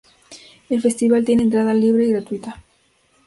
El festival tiene entrada libre y gratuita.